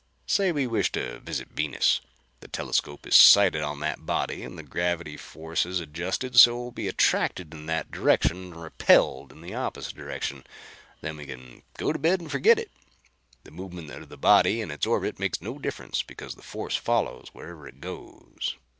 Say we wish to visit Venus. The telescope is sighted on that body and the gravity forces adjusted so we'll be attracted in that direction and repelled in the opposite direction. Then we can go to bed and forget it. The movement of the body in its orbit makes no difference because the force follows wherever it goes.